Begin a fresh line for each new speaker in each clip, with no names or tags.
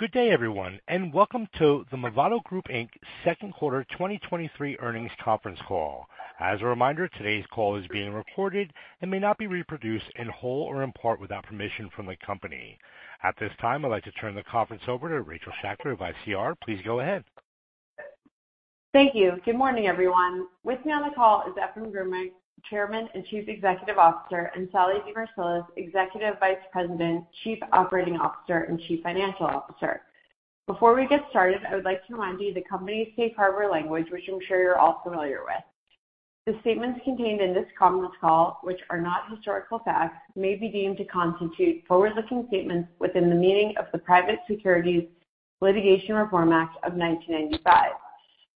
Good day, everyone, and welcome to the Movado Group, Inc. second quarter 2023 earnings conference call. As a reminder, today's call is being recorded and may not be reproduced in whole or in part without permission from the company. At this time, I'd like to turn the conference over to Rachel Schachter of ICR. Please go ahead.
Thank you. Good morning, everyone. With me on the call is Efraim Grinberg, Chairman and Chief Executive Officer, and Sallie DeMarsilis, Executive Vice President, Chief Operating Officer, and Chief Financial Officer. Before we get started, I would like to remind you of the company's safe harbor language, which I'm sure you're all familiar with. The statements contained in this conference call, which are not historical facts, may be deemed to constitute forward-looking statements within the meaning of the Private Securities Litigation Reform Act of 1995.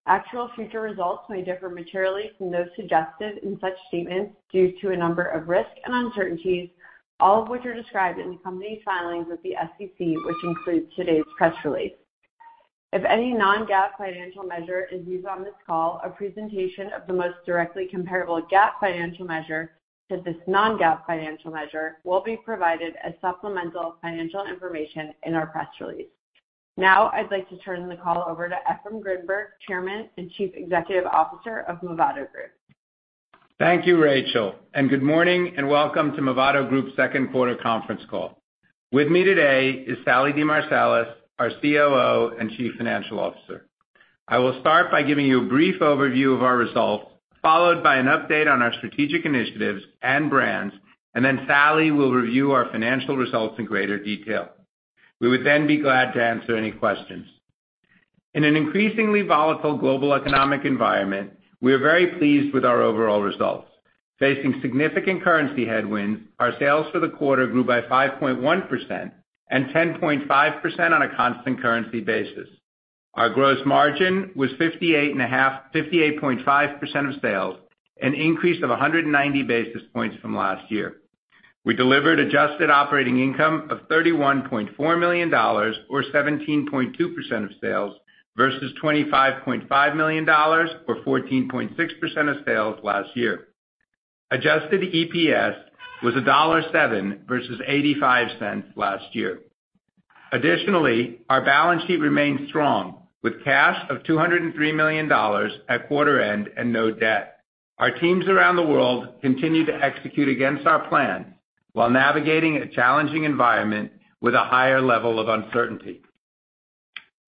Actual future results may differ materially from those suggested in such statements due to a number of risks and uncertainties, all of which are described in the company's filings with the SEC, which includes today's press release. If any non-GAAP financial measure is used on this call, a presentation of the most directly comparable GAAP financial measure to this non-GAAP financial measure will be provided as supplemental financial information in our press release. Now, I'd like to turn the call over to Efraim Grinberg, Chairman and Chief Executive Officer of Movado Group.
Thank you, Rachel, and good morning and welcome to Movado Group's second quarter conference call. With me today is Sallie DeMarsilis, our COO and Chief Financial Officer. I will start by giving you a brief overview of our results, followed by an update on our strategic initiatives and brands, and then Sallie will review our financial results in greater detail. We would then be glad to answer any questions. In an increasingly volatile global economic environment, we are very pleased with our overall results. Facing significant currency headwinds, our sales for the quarter grew by 5.1% and 10.5% on a constant currency basis. Our gross margin was 58.5% of sales, an increase of 190 basis points from last year. We delivered adjusted operating income of $31.4 million or 17.2% of sales versus $25.5 million or 14.6% of sales last year. Adjusted EPS was $1.07 versus $0.85 last year. Additionally, our balance sheet remains strong with cash of $203 million at quarter end and no debt. Our teams around the world continue to execute against our plan while navigating a challenging environment with a higher level of uncertainty.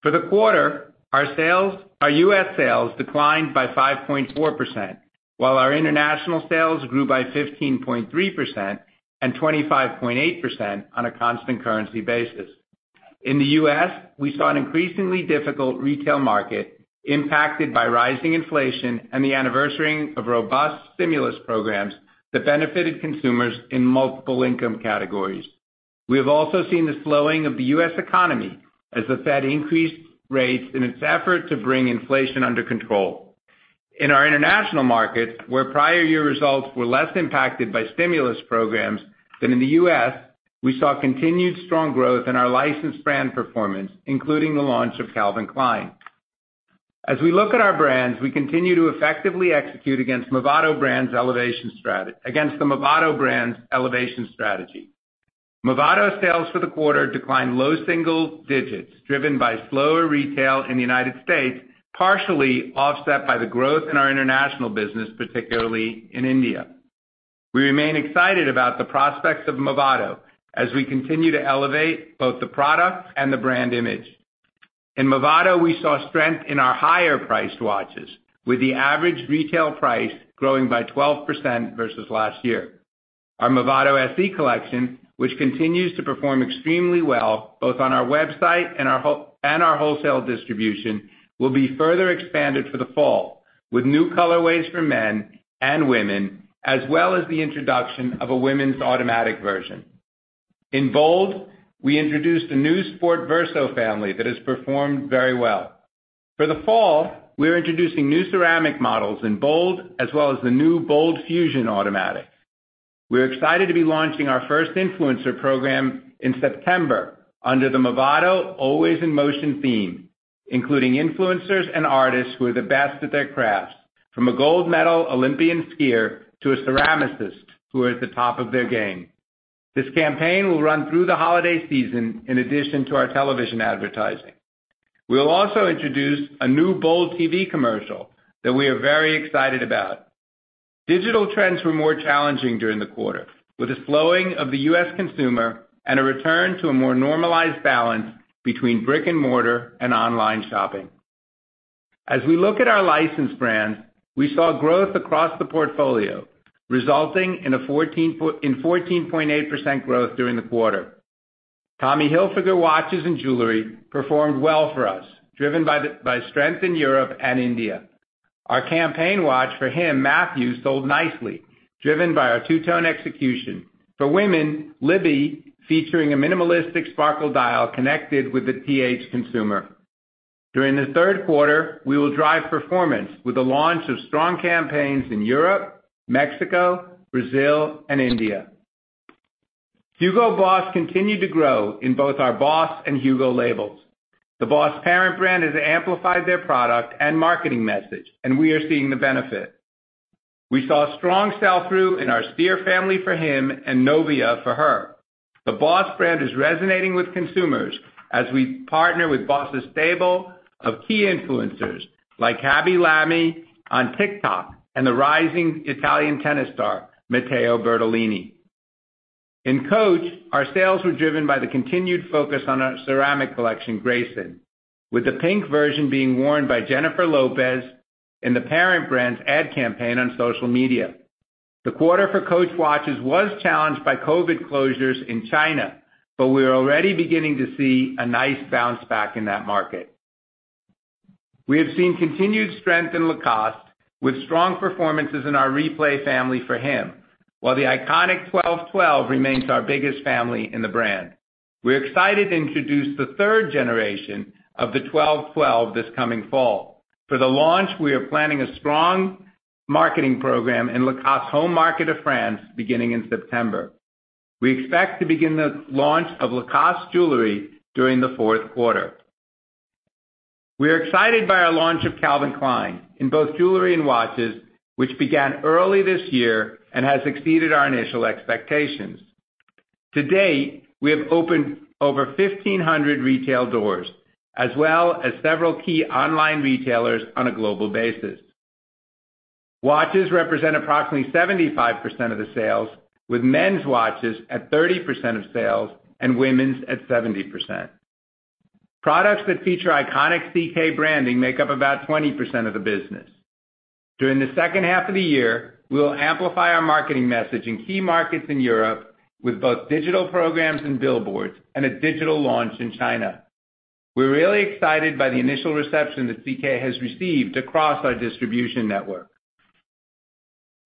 For the quarter, our U.S. sales declined by 5.4%, while our international sales grew by 15.3% and 25.8% on a constant currency basis. In the U.S., we saw an increasingly difficult retail market impacted by rising inflation and the anniversary of robust stimulus programs that benefited consumers in multiple income categories. We have also seen the slowing of the U.S. economy as the Fed increased rates in its effort to bring inflation under control. In our international markets, where prior year results were less impacted by stimulus programs than in the U.S., we saw continued strong growth in our licensed brand performance, including the launch of Calvin Klein. As we look at our brands, we continue to effectively execute against the Movado brands elevation strategy. Movado sales for the quarter declined low single digits, driven by slower retail in the United States, partially offset by the growth in our international business, particularly in India. We remain excited about the prospects of Movado as we continue to elevate both the product and the brand image. In Movado, we saw strength in our higher-priced watches, with the average retail price growing by 12% versus last year. Our Movado SE collection, which continues to perform extremely well both on our website and our wholesale distribution, will be further expanded for the fall with new colorways for men and women, as well as the introduction of a women's automatic version. In Bold, we introduced a new Bold Verso family that has performed very well. For the fall, we're introducing new ceramic models in Bold as well as the new Bold Fusion Automatic. We're excited to be launching our first influencer program in September under the Movado Always in Motion theme, including influencers and artists who are the best at their craft, from a gold medal Olympian skier to a ceramicist who are at the top of their game. This campaign will run through the holiday season in addition to our television advertising. We will also introduce a new Bold TV commercial that we are very excited about. Digital trends were more challenging during the quarter, with a slowing of the U.S. consumer and a return to a more normalized balance between brick-and-mortar and online shopping. As we look at our licensed brands, we saw growth across the portfolio, resulting in a 14.8% growth during the quarter. Tommy Hilfiger Watches and Jewelry performed well for us, driven by strength in Europe and India. Our campaign watch for him, Matthew, sold nicely, driven by our two-tone execution. For women, Libby, featuring a minimalistic sparkle dial, connected with the TH consumer. During the third quarter, we will drive performance with the launch of strong campaigns in Europe, Mexico, Brazil, and India. Hugo Boss continued to grow in both our Boss and Hugo labels. The Boss parent brand has amplified their product and marketing message, and we are seeing the benefit. We saw strong sell-through in our Spear family for him and Novia for her. The Boss brand is resonating with consumers as we partner with Boss' stable of key influencers like Khaby Lame on TikTok and the rising Italian tennis star Matteo Berrettini. In Coach, our sales were driven by the continued focus on our ceramic collection, Greyson, with the pink version being worn by Jennifer Lopez in the parent brand's ad campaign on social media. The quarter for Coach watches was challenged by COVID closures in China, but we're already beginning to see a nice bounce back in that market. We have seen continued strength in Lacoste with strong performances in our Replay family for him, while the iconic L.12.12 remains our biggest family in the brand. We're excited to introduce the third generation of the L.12.12 this coming fall. For the launch, we are planning a strong marketing program in Lacoste's home market of France beginning in September. We expect to begin the launch of Lacoste jewelry during the fourth quarter. We are excited by our launch of Calvin Klein in both jewelry and watches, which began early this year and has exceeded our initial expectations. To date, we have opened over 1,500 retail doors as well as several key online retailers on a global basis. Watches represent approximately 75% of the sales, with men's watches at 30% of sales and women's at 70%. Products that feature iconic CK branding make up about 20% of the business. During the second half of the year, we'll amplify our marketing message in key markets in Europe with both digital programs and billboards and a digital launch in China. We're really excited by the initial reception that CK has received across our distribution network.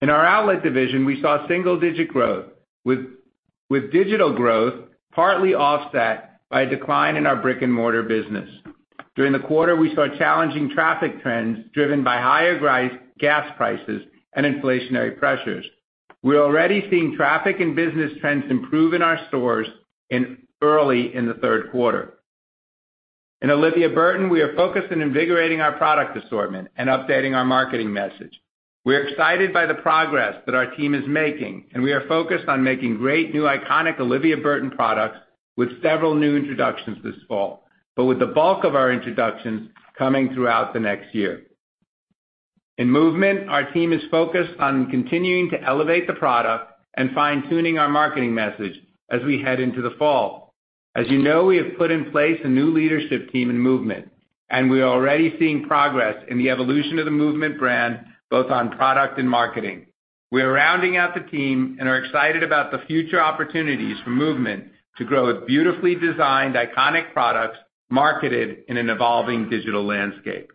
In our outlet division, we saw single-digit growth, with digital growth partly offset by a decline in our brick-and-mortar business. During the quarter, we saw challenging traffic trends driven by higher gas prices and inflationary pressures. We're already seeing traffic and business trends improve in our stores early in the third quarter. In Olivia Burton, we are focused on invigorating our product assortment and updating our marketing message. We're excited by the progress that our team is making, and we are focused on making great new iconic Olivia Burton products with several new introductions this fall, but with the bulk of our introductions coming throughout the next year. In MVMT, our team is focused on continuing to elevate the product and fine-tuning our marketing message as we head into the fall. As you know, we have put in place a new leadership team in MVMT, and we are already seeing progress in the evolution of the MVMT brand, both on product and marketing. We are rounding out the team and are excited about the future opportunities for MVMT to grow a beautifully designed iconic product marketed in an evolving digital landscape.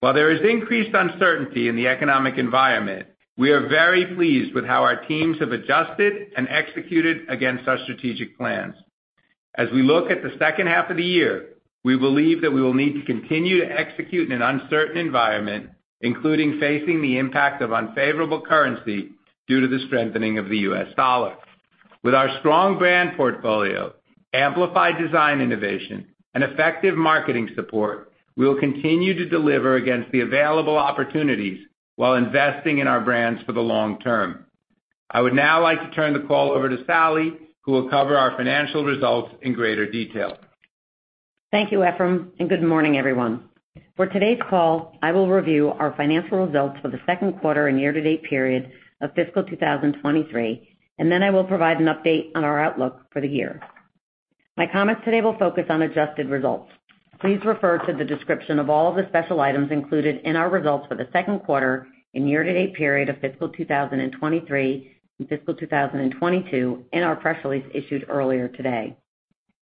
While there is increased uncertainty in the economic environment, we are very pleased with how our teams have adjusted and executed against our strategic plans. As we look at the second half of the year, we believe that we will need to continue to execute in an uncertain environment, including facing the impact of unfavorable currency due to the strengthening of the US dollar. With our strong brand portfolio, amplified design innovation, and effective marketing support, we will continue to deliver against the available opportunities while investing in our brands for the long term. I would now like to turn the call over to Sallie, who will cover our financial results in greater detail.
Thank you, Efraim, and good morning, everyone. For today's call, I will review our financial results for the second quarter and year-to-date period of fiscal 2023, and then I will provide an update on our outlook for the year. My comments today will focus on adjusted results. Please refer to the description of all the special items included in our results for the second quarter and year-to-date period of fiscal 2023 and fiscal 2022 in our press release issued earlier today,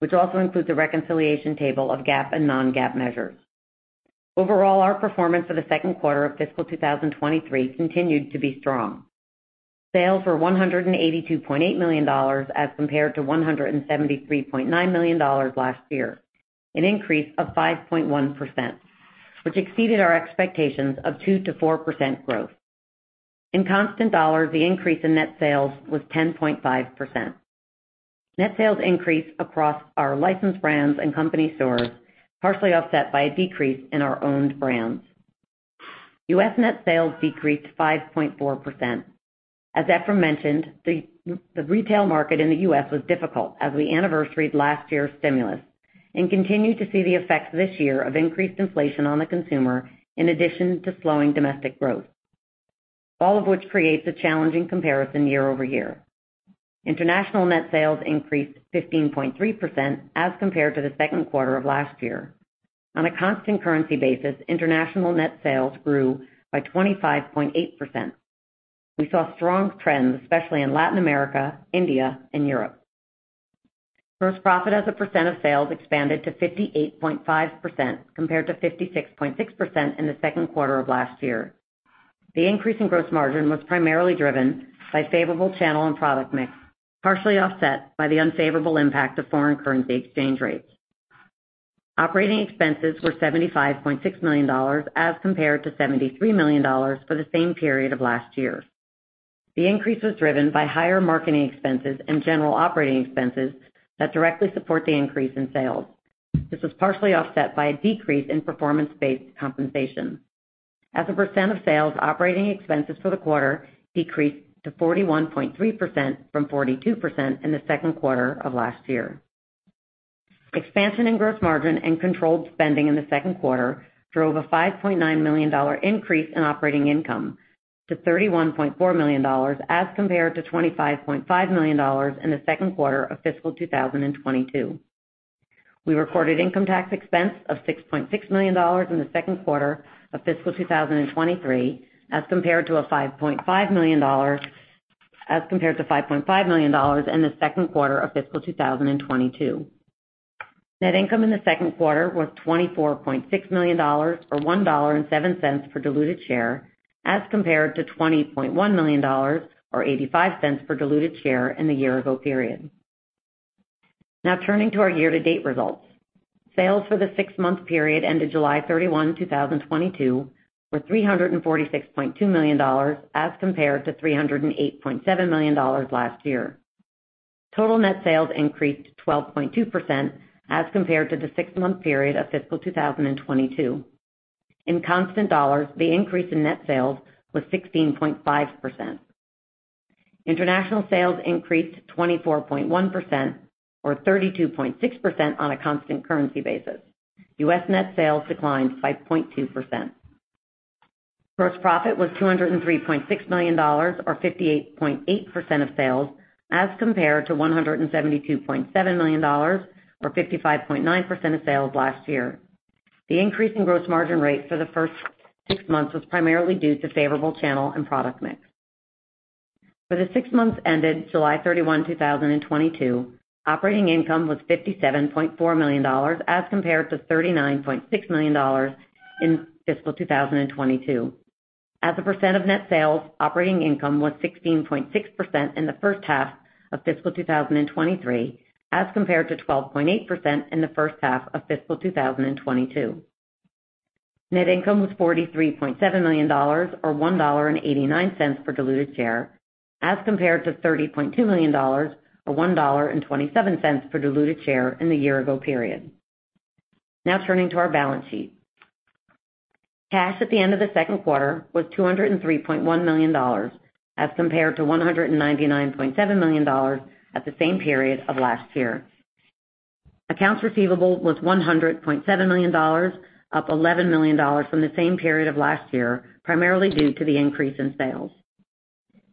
which also includes a reconciliation table of GAAP and non-GAAP measures. Overall, our performance for the second quarter of fiscal 2023 continued to be strong. Sales were $182.8 million as compared to $173.9 million last year, an increase of 5.1%, which exceeded our expectations of 2%-4% growth. In constant dollars, the increase in net sales was 10.5%. Net sales increased across our licensed brands and company stores, partially offset by a decrease in our owned brands. U.S. net sales decreased 5.4%. As Efraim mentioned, the retail market in the U.S. was difficult as we anniversaried last year's stimulus and continued to see the effects this year of increased inflation on the consumer in addition to slowing domestic growth, all of which creates a challenging comparison year-over-year. International net sales increased 15.3% as compared to the second quarter of last year. On a constant currency basis, international net sales grew by 25.8%. We saw strong trends, especially in Latin America, India, and Europe. Gross profit as a percent of sales expanded to 58.5% compared to 56.6% in the second quarter of last year. The increase in gross margin was primarily driven by favorable channel and product mix, partially offset by the unfavorable impact of foreign currency exchange rates. Operating expenses were $75.6 million as compared to $73 million for the same period of last year. The increase was driven by higher marketing expenses and general operating expenses that directly support the increase in sales. This was partially offset by a decrease in performance-based compensation. As a percent of sales, operating expenses for the quarter decreased to 41.3% from 42% in the second quarter of last year. Expansion in gross margin and controlled spending in the second quarter drove a $5.9 million increase in operating income to $31.4 million, as compared to $25.5 million in the second quarter of fiscal 2022. We recorded income tax expense of $6.6 million in the second quarter of fiscal 2023, as compared to $5.5 million in the second quarter of fiscal 2022. Net income in the second quarter was $24.6 million, or $1.07 per diluted share, as compared to $20 million, or $0.85 per diluted share in the year ago period. Now turning to our year-to-date results. Sales for the six-month period ended July 31st, 2022 were $346.2 million, as compared to $308.7 million last year. Total net sales increased 12.2% as compared to the six-month period of fiscal 2022. In constant dollars, the increase in net sales was 16.5%. International sales increased 24.1% or 32.6% on a constant currency basis. US net sales declined 5.2%. Gross profit was $203.6 million or 58.8% of sales, as compared to $172.7 million or 55.9% of sales last year. The increase in gross margin rate for the first six months was primarily due to favorable channel and product mix. For the six months ended July 31, 2022, operating income was $57.4 million, as compared to $39.6 million in fiscal 2022. As a percent of net sales, operating income was 16.6% in the first half of fiscal 2023, as compared to 12.8% in the first half of fiscal 2022. Net income was $43.7 million or $1.89 per diluted share, as compared to $30 million, or $1.27 per diluted share in the year ago period. Now turning to our balance sheet. Cash at the end of the second quarter was $203.1 million, as compared to $199.7 million at the same period of last year. Accounts receivable was $100.7 million, up $11 million from the same period of last year, primarily due to the increase in sales.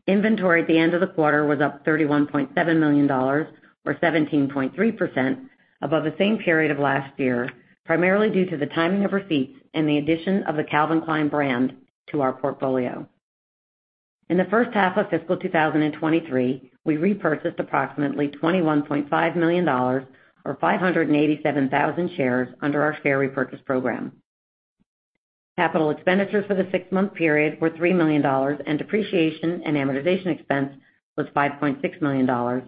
Inventory at the end of the quarter was up $31.7 million or 17.3% above the same period of last year, primarily due to the timing of receipts and the addition of the Calvin Klein brand to our portfolio. In the first half of fiscal 2023, we repurchased approximately $21.5 million or 587,000 shares under our share repurchase program. Capital expenditures for the six-month period were $3 million, and depreciation and amortization expense was $5.6 million,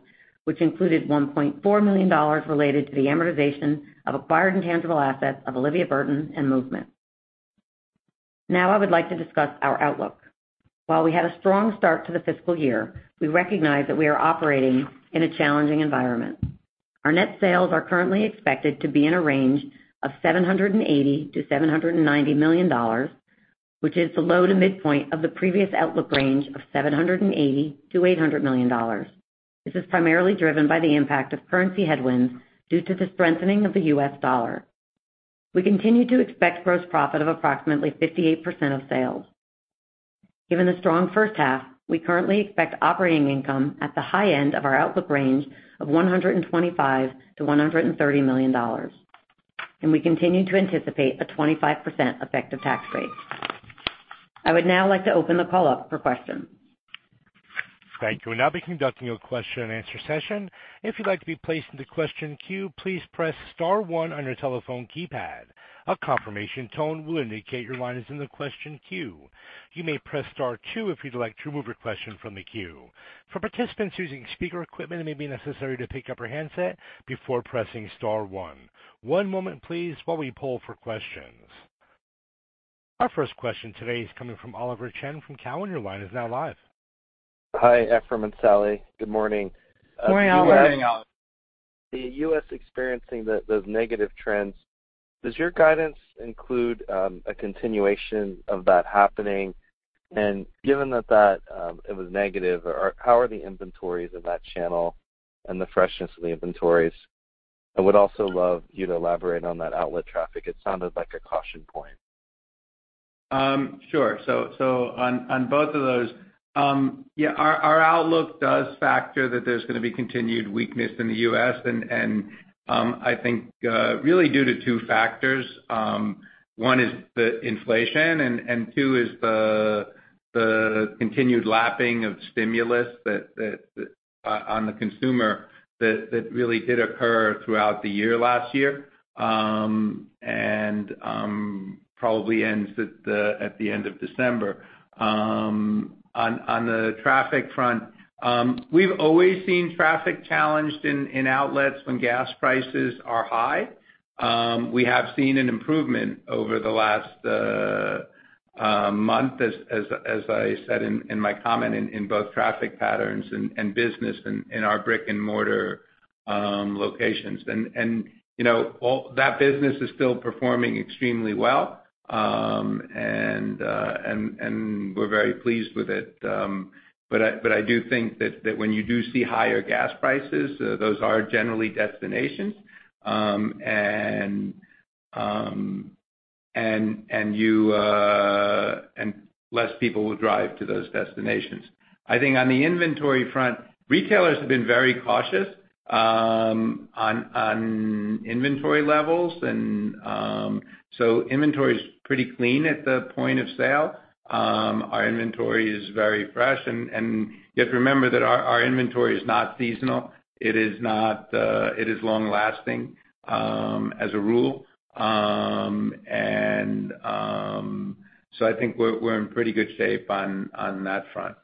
which included $1.4 million related to the amortization of acquired intangible assets of Olivia Burton and MVMT. Now I would like to discuss our outlook. While we had a strong start to the fiscal year, we recognize that we are operating in a challenging environment. Our net sales are currently expected to be in a range of $780 million-$790 million, which is the low to midpoint of the previous outlook range of $780 million-$800 million. This is primarily driven by the impact of currency headwinds due to the strengthening of the US dollar. We continue to expect gross profit of approximately 58% of sales. Given the strong first half, we currently expect operating income at the high end of our outlook range of $125 million-$130 million, and we continue to anticipate a 25% effective tax rate. I would now like to open the call up for questions.
Thank you. We'll now be conducting a question and answer session. If you'd like to be placed in the question queue, please press star one on your telephone keypad. A confirmation tone will indicate your line is in the question queue. You may press star two if you'd like to remove your question from the queue. For participants using speaker equipment, it may be necessary to pick up your handset before pressing star one. One moment please while we pull for questions. Our first question today is coming from Oliver Chen from Cowen. Your line is now live.
Hi, Efraim and Sallie. Good morning.
Good morning, Oliver.
The U.S. experiencing those negative trends. Does your guidance include a continuation of that happening? Given that it was negative, or how are the inventories in that channel and the freshness of the inventories? I would also love you to elaborate on that outlet traffic. It sounded like a caution point.
Sure. On both of those. Yeah, our outlook does factor that there's gonna be continued weakness in the U.S. and I think really due to two factors. One is the inflation and two is the continued lapping of stimulus that on the consumer that really did occur throughout the year last year, and probably ends at the end of December. On the traffic front
We've always seen traffic challenged in outlets when gas prices are high. We have seen an improvement over the last month as I said in my comment in both traffic patterns and business in our brick-and-mortar locations. You know, that business is still performing extremely well. We're very pleased with it. I do think that when you do see higher gas prices, those are generally destinations. Less people will drive to those destinations. I think on the inventory front, retailers have been very cautious on inventory levels and so inventory's pretty clean at the point of sale. Our inventory is very fresh and you have to remember that our inventory is not seasonal. It is long-lasting, as a rule. I think we're in pretty good shape on that front.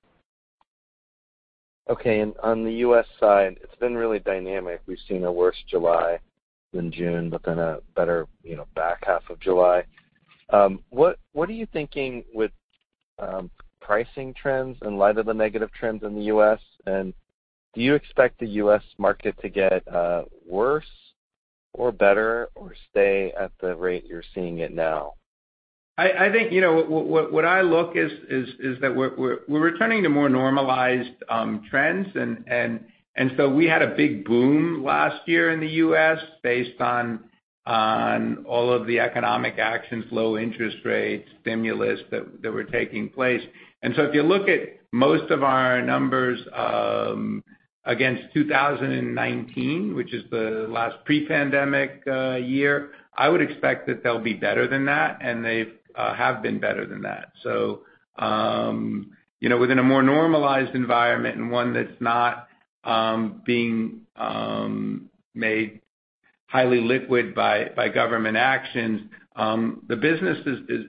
Okay. On the US side, it's been really dynamic. We've seen a worse July than June, but then a better, you know, back half of July. What are you thinking with pricing trends in light of the negative trends in the US, and do you expect the US market to get worse or better or stay at the rate you're seeing it now?
I think, you know, what I look is that we're returning to more normalized trends and so we had a big boom last year in the U.S. based on all of the economic actions, low interest rates, stimulus that were taking place. If you look at most of our numbers against 2019, which is the last pre-pandemic year, I would expect that they'll be better than that, and they've have been better than that. You know, within a more normalized environment and one that's not being made highly liquid by government actions, the business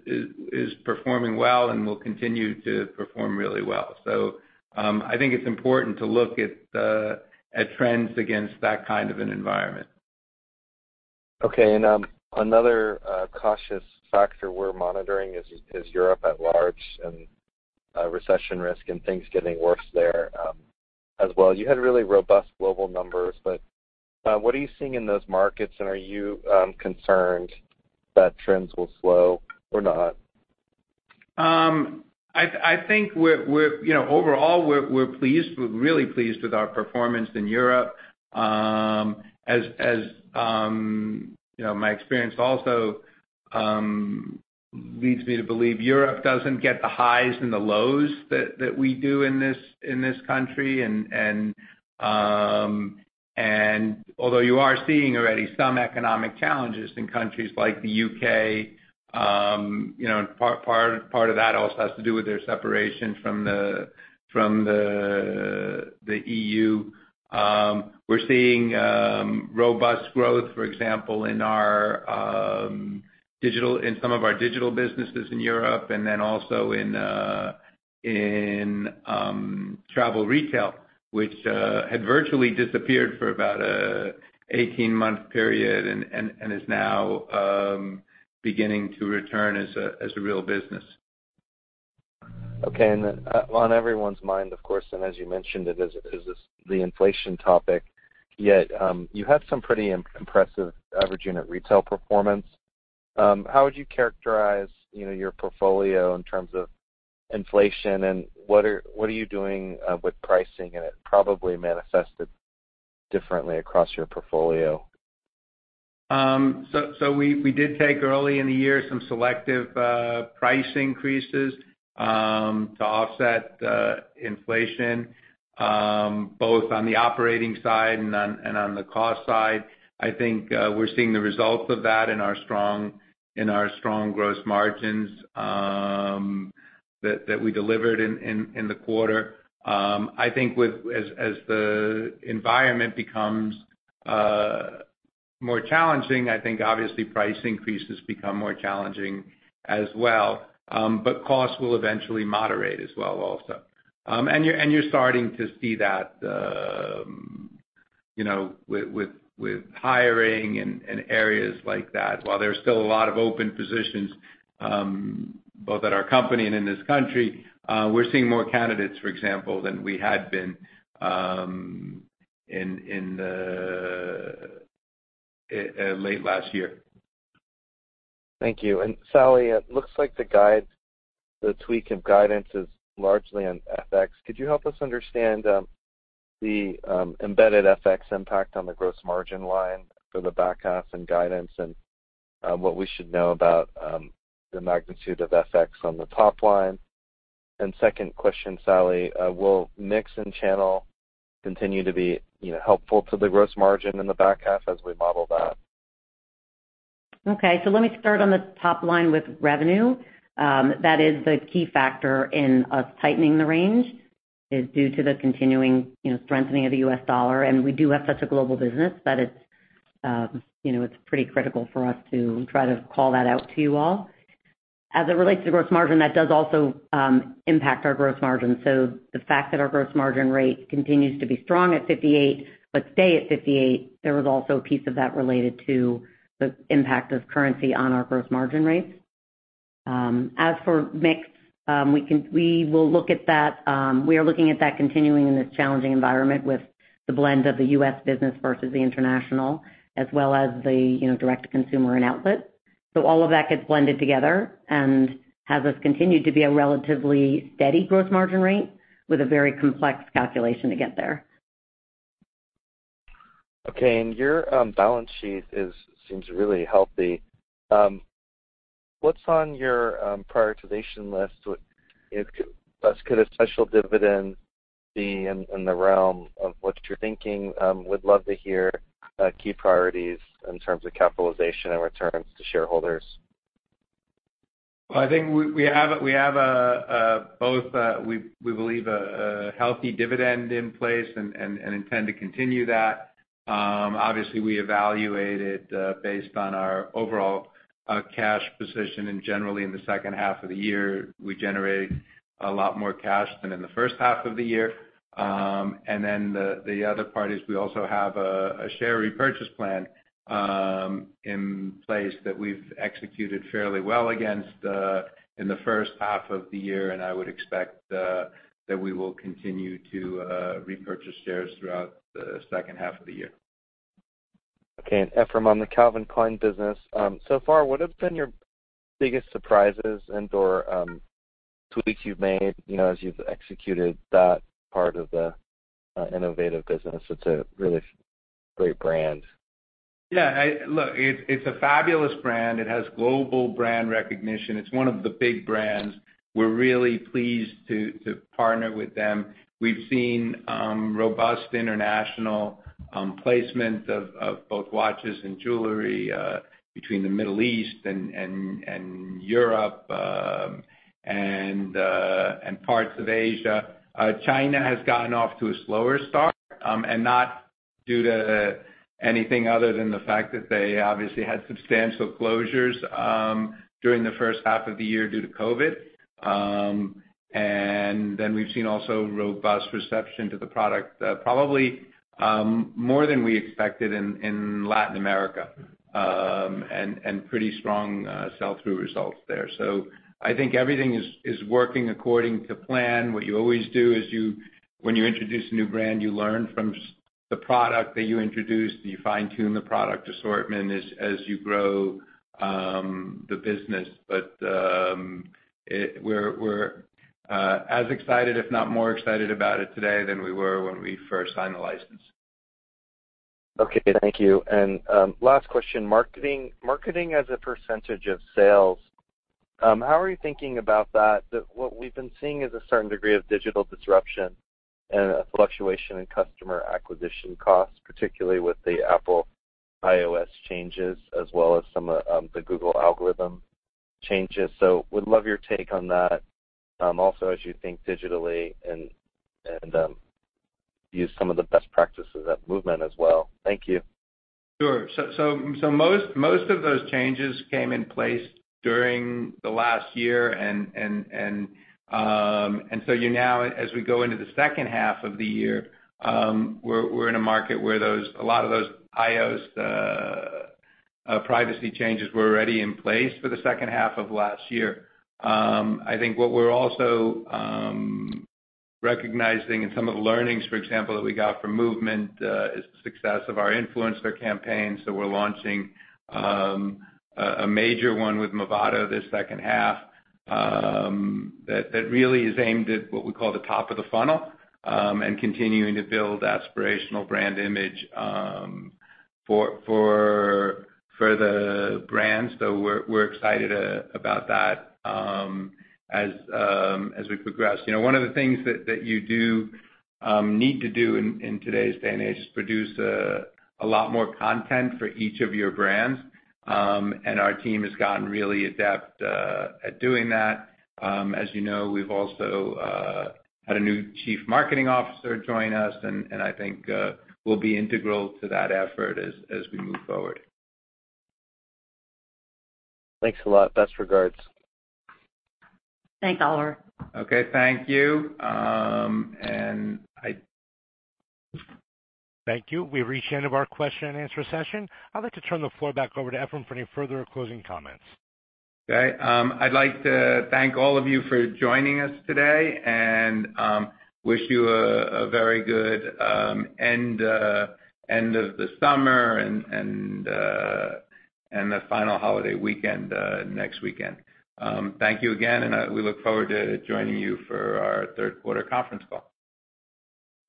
is performing well and will continue to perform really well. I think it's important to look at trends against that kind of an environment.
Okay. Another cautious factor we're monitoring is Europe at large and recession risk and things getting worse there, as well. You had really robust global numbers, but what are you seeing in those markets, and are you concerned that trends will slow or not?
I think, you know, overall, we're really pleased with our performance in Europe. As you know, my experience also leads me to believe Europe doesn't get the highs and the lows that we do in this country. Although you are seeing already some economic challenges in countries like the U.K., you know, part of that also has to do with their separation from the E.U. We're seeing robust growth, for example, in some of our digital businesses in Europe and then also in travel retail, which had virtually disappeared for about an 18-month period and is now beginning to return as a real business.
Okay. On everyone's mind, of course, and as you mentioned it, is this the inflation topic? Yet you have some pretty impressive average unit retail performance. How would you characterize, you know, your portfolio in terms of inflation, and what are you doing with pricing? It probably manifested differently across your portfolio.
We did take early in the year some selective price increases to offset the inflation both on the operating side and on the cost side. I think we're seeing the results of that in our strong gross margins that we delivered in the quarter. I think as the environment becomes more challenging, I think obviously price increases become more challenging as well. Costs will eventually moderate as well also. You're starting to see that, you know, with hiring and areas like that. While there's still a lot of open positions both at our company and in this country, we're seeing more candidates, for example, than we had been in late last year.
Thank you. Sally, it looks like the guide, the tweak of guidance is largely on FX. Could you help us understand the embedded FX impact on the gross margin line for the back half and guidance and what we should know about the magnitude of FX on the top line? Second question, Sally, will mix and channel continue to be, you know, helpful to the gross margin in the back half as we model that?
Okay, let me start on the top line with revenue. That is the key factor in us tightening the range is due to the continuing, you know, strengthening of the U.S. dollar, and we do have such a global business that it's, you know, it's pretty critical for us to try to call that out to you all. As it relates to gross margin, that does also impact our gross margin. The fact that our gross margin rate continues to be strong at 58%, but stay at 58%, there was also a piece of that related to the impact of currency on our gross margin rates. As for mix, we will look at that. We are looking at that continuing in this challenging environment with the blend of the U.S. business versus the international, as well as the, you know, direct-to-consumer and outlet. All of that gets blended together and has us continued to be a relatively steady gross margin rate with a very complex calculation to get there.
Okay. Your balance sheet seems really healthy. What's on your prioritization list? Would a special dividend be in the realm of what you're thinking? Would love to hear key priorities in terms of capitalization and returns to shareholders.
I think we have a healthy dividend in place and intend to continue that. Obviously, we evaluate it based on our overall cash position, and generally, in the second half of the year, we generate a lot more cash than in the first half of the year. The other part is we also have a share repurchase plan in place that we've executed fairly well against in the first half of the year. I would expect that we will continue to repurchase shares throughout the second half of the year.
Okay. Efraim, on the Calvin Klein business, so far, what have been your biggest surprises and/or, tweaks you've made, you know, as you've executed that part of the innovative business? It's a really great brand.
Yeah. Look, it's a fabulous brand. It has global brand recognition. It's one of the big brands. We're really pleased to partner with them. We've seen robust international placement of both watches and jewelry between the Middle East and Europe and parts of Asia. China has gotten off to a slower start and not due to anything other than the fact that they obviously had substantial closures during the first half of the year due to COVID. We've seen also robust reception to the product probably more than we expected in Latin America and pretty strong sell-through results there. I think everything is working according to plan. What you always do is you, when you introduce a new brand, you learn from the product that you introduce, you fine-tune the product assortment as you grow the business. We're as excited, if not more excited about it today than we were when we first signed the license.
Okay, thank you. Last question. Marketing as a percentage of sales, how are you thinking about that? What we've been seeing is a certain degree of digital disruption and a fluctuation in customer acquisition costs, particularly with the Apple iOS changes, as well as some of the Google algorithm changes. Would love your take on that, also as you think digitally and use some of the best practices at MVMT as well. Thank you.
Sure. Most of those changes came in place during the last year and so now, as we go into the second half of the year, we're in a market where a lot of those iOS privacy changes were already in place for the second half of last year. I think what we're also recognizing and some of the learnings, for example, that we got from MVMT, is the success of our influencer campaigns. We're launching a major one with Movado this second half, that really is aimed at what we call the top of the funnel, and continuing to build aspirational brand image, for the brand. We're excited about that, as we progress. You know, one of the things that you do need to do in today's day and age is produce a lot more content for each of your brands. Our team has gotten really adept at doing that. As you know, we've also had a new chief marketing officer join us, and I think will be integral to that effort as we move forward.
Thanks a lot. Best regards.
Thanks, Oliver.
Okay, thank you.
Thank you. We've reached the end of our question and answer session. I'd like to turn the floor back over to Efraim for any further closing comments.
Okay. I'd like to thank all of you for joining us today and wish you a very good end of the summer and a final holiday weekend next weekend. Thank you again, and we look forward to joining you for our third quarter conference call.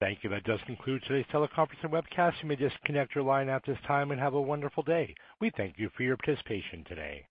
Thank you. That does conclude today's teleconference and webcast. You may disconnect your line at this time and have a wonderful day. We thank you for your participation today.